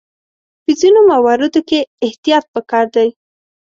په ځینو مواردو کې احتیاط پکار دی.